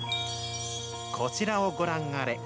こちらをご覧あれ。